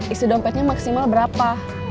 isu dompetnya maksimal berapa